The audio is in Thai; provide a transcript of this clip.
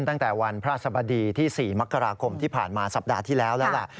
ตั้งแต่วันพระสบดีที่๔มกราคมที่ผ่านมาสัปดาห์ที่แล้วแล้วล่ะ